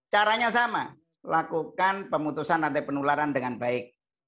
caranya sama lakukan pemutusan antepenularan dengan baik